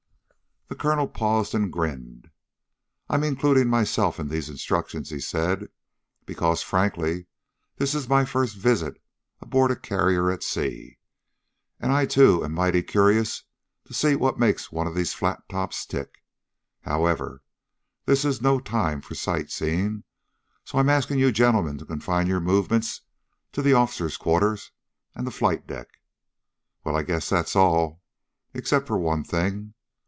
The colonel paused and grinned. "I'm including myself in these instructions," he said, "because, frankly, this is my first visit aboard a carrier at sea. And I, too, am mighty curious to see what makes one of these flat tops tick. However, this is no time for sight seeing, so I am asking you gentlemen to confine your movements to the officers' quarters, and the flight deck. Well, I guess that's all except for one thing.